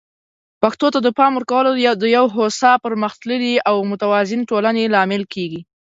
پښتو ته د پام ورکول د یو هوسا، پرمختللي او متوازن ټولنې لامل کیږي.